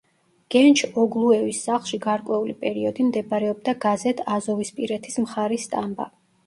გენჩ-ოგლუევის სახლში გარკვეული პერიოდი მდებარეობდა გაზეთ „აზოვისპირეთის მხარის“ სტამბა.